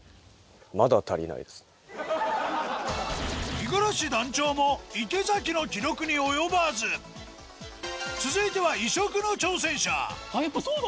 五十嵐団長も池崎の記録に及ばず続いてはやっぱそうだ！